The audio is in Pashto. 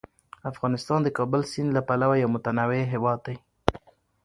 افغانستان د کابل سیند له پلوه یو متنوع هیواد دی.